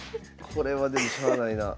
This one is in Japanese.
これはでもしゃあないな。